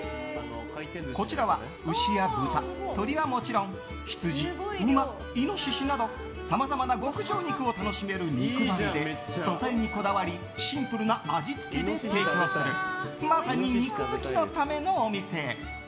こちらは牛や豚、鶏はもちろん羊、馬、イノシシなどさまざまな極上肉を楽しめる肉バルで素材にこだわりシンプルな味付けで提供するまさに肉好きのためのお店。